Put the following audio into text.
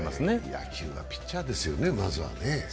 野球はピッチャーですよね、まずはね。